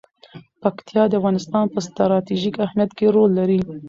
پکتیا د افغانستان په ستراتیژیک اهمیت کې رول لري.